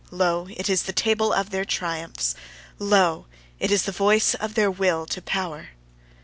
Lo! it is the table of their triumphs; lo! it is the voice of their Will to Power.